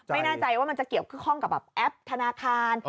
ไม่แน่ใจว่ามันจะเกี่ยวข้องกับแบบแอปธนาคาร